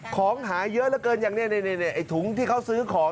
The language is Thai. ของหาเยอะเหลือเกินอย่างนี้ไอ้ถุงที่เขาซื้อของ